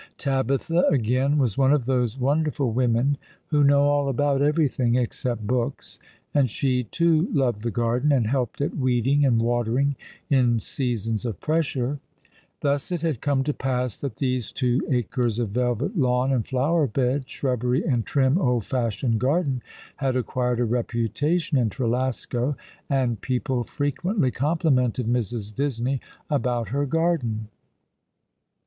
Tabitha, again, was one of those wonderful women who know all about everything except books; and she, too, loved the garden, and helloed at weeding and watering, in seasons of pressure. Thus it had come to pass that these two acres of velvet lawn and flower bed, shrubbery, and trim, old fashioned garden had acquired a reputation in Trelasco, and people frequently complimented Mrs. Disney about her garden.